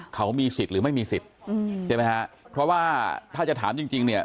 เขามีสิทธิ์หรือไม่มีสิทธิ์เพราะว่าถ้าจะถามจริงเนี่ย